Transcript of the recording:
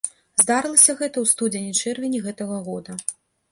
Здарылася гэта ў студзені-чэрвені гэтага года.